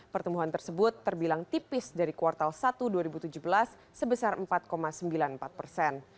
pertumbuhan tersebut terbilang tipis dari kuartal satu dua ribu tujuh belas sebesar empat sembilan puluh empat persen